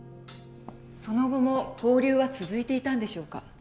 その後も交流は続いていたんでしょうか？